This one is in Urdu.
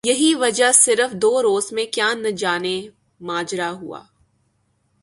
یہی وجہ صرف دو روز میں کیا نجانے ماجرہ ہوا